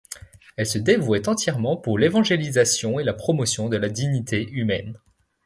Elle se dévouait entièrement pour l'évangélisation et la promotion de la dignité humaine.